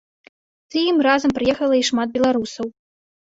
З ім разам прыехала і шмат беларусаў.